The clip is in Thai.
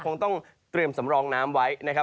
คงต้องเตรียมสำรองน้ำไว้นะครับ